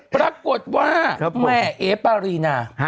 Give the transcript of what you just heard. ปรากฏว่าแม่เอ๊ปารีนา